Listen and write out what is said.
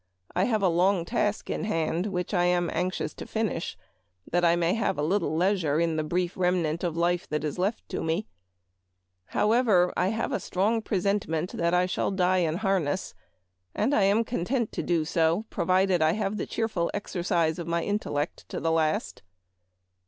I have a long task in hand which I am anxious to finish, that I may have a little leisure in the brief remnant of life that is left to me. How ever, I have a strong presentiment that I shall 282 Memoir of Washington Irving. die in harness, and I am content to do so, pro vided I have the cheerful exercise of intellect to the last."